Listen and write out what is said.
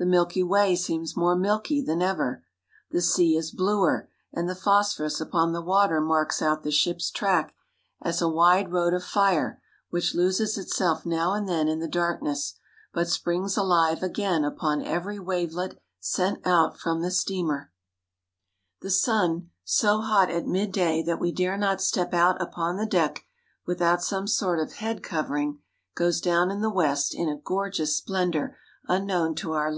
The Milky Way seems more milky than ever. The sea is bluer, and the phosphorus upon the water marks out the ship's track as a wide road of fire which loses itself now and then in the darkness, but springs alive again upon every wavelet sent out from the steamer. SINGAPORE AND THE MALAYS 203 The sun, so hot at midday that we dare not step out upon the deck without some sort of head covering, goes down in the west in a gorgeous splendor unknown to our.